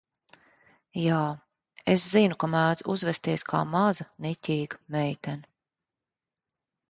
Jā, es zinu, ka mēdzu uzvesties kā maza, niķīga meitene.